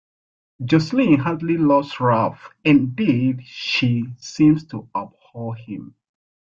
Jocelyn hardly loves Ralph - indeed, she seems to abhor him.